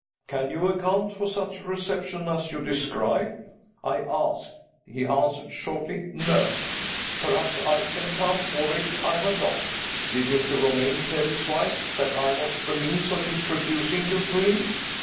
"Can you account for such a reception as you describe?" I asked. He answered shortly, "No." "Perhaps I can account for it," I went on. "Did Mr. Romayne tell his wife that I was the means of introducing you to him?"